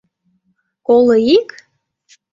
Коло ик?..